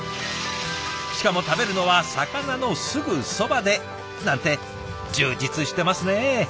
しかも食べるのは魚のすぐそばでなんて充実してますね。